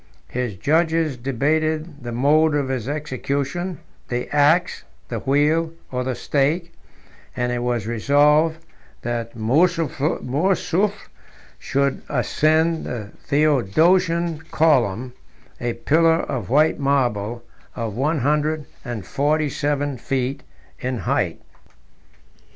His judges debated the mode of his execution, the axe, the wheel, or the stake; and it was resolved that Mourzoufle 17 should ascend the Theodosian column, a pillar of white marble of one hundred and forty seven feet in height.